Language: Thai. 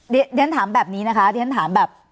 เดี๋ยวชั้นถามแบบนี้นะคะเดี๋ยวชั้นถามแบบ